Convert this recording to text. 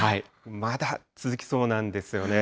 まだ続きそうなんですよね。